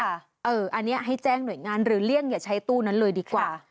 อันนี้ให้แจ้งหน่วยงานหรือเลี่ยงอย่าใช้ตู้นั้นเลยดีกว่า